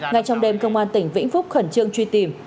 ngày trong đêm cơ quan tỉnh vĩnh phúc khẩn trương truy tìm